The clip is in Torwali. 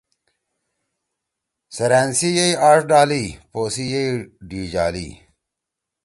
سیرأن سی یئ آڙ ڈالیَی۔ پوسی یِئ ڈی جا لَیی۔